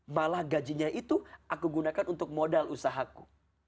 malah gajinya itu aku gunakan untuk modal usahaku